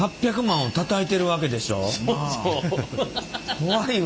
怖いわ。